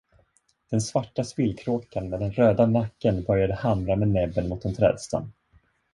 Den svarta spillkråkan med den röda nacken började hamra med näbben mot en trädstam.